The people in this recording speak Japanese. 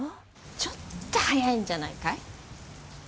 ちょっと早いんじゃないかい？